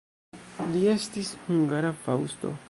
Li estis la hungara Faŭsto.